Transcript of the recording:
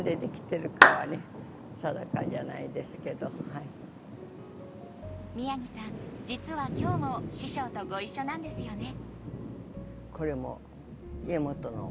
やっぱり宮城さん実は今日も師匠とご一緒なんですよね。